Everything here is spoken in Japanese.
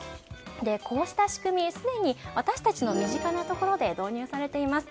こうした仕組み、すでに私たちの身近なところで導入されています。